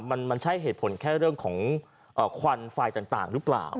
มันใช่เหตุผลแค่เรื่องของควันไฟต่างหรือเปล่า